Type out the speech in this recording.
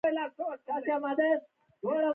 دوی د طبیعت په راز نه دي پوهېدلي.